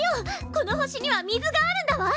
この星には水があるんだわ！